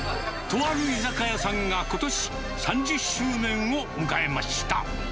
とある居酒屋さんがことし、３０周年を迎えました。